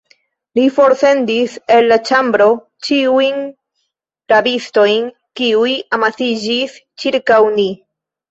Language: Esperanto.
Li forsendis el la ĉambro ĉiujn rabistojn, kiuj amasiĝis ĉirkaŭ ni.